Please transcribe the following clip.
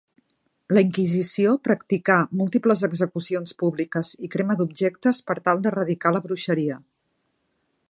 La inquisició practicà múltiples execucions públiques i crema d'objectes per tal d'erradicar la bruixeria.